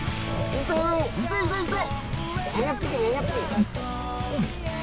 いたいたいたいた！